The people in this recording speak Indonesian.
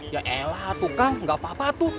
ya elah tuh kang nggak apa apa tuh